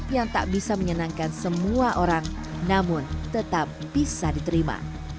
yang tak bisa menyenangkan semua orang namun tetap bisa diterima